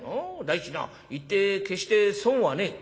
第一な行って決して損はねえ」。